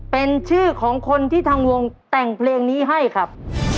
เป็นชื่อของคนที่ทางวงแต่งเพลงนี้ให้ครับ